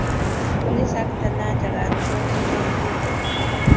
Police ak talanta karun ko bire mbiret